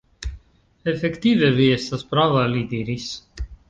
Efektive vi estas prava, li diris.